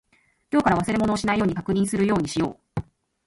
今日から忘れ物をしないように確認するようにしよう。